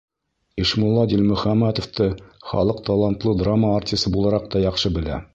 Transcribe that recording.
Ишмулла Дилмөхәмәтовты халыҡ талантлы драма артисы булараҡ та яҡшы белә.